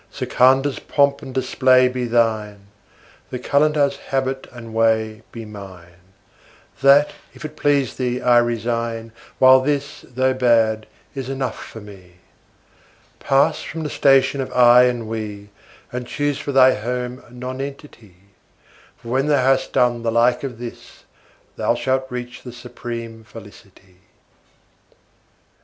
Sikandar's3 pomp and display be thine, the Qalandar's4 habit and way be mine; That, if it please thee, I resign, while this, though bad, is enough for me. Pass from the station of "I" and "We," and choose for thy home Nonentity, For when thou has done the like of this, thou shalt reach the supreme Felicity.